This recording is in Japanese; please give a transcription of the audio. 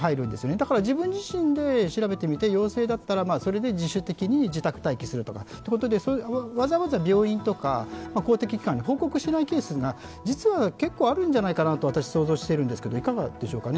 だから自分自身で調べて陽性だったらそれで自主的に自宅待機するとかということで、わざわざ病院とか公的機関に報告しないケースが実は結構あるんじゃないかなと私は想像しているんですけどいかがですかね。